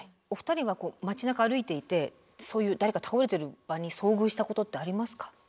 お二人は街なか歩いていてそういう誰か倒れてる場に遭遇したことってありますか？